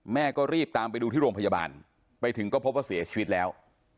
แม่ก็รีบตามไปดูที่โรงพยาบาลไปถึงก็พบว่าเสียชีวิตแล้ว